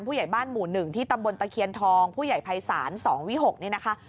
ผู้ใหญ่บ้านหมู่๑ที่ตำบลตะเคียนทองผู้ใหญ่ภัยศาล๒วิหกนี่นะคะ